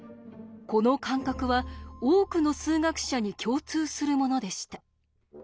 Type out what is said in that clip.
この感覚は多くの数学者に共通するものでした。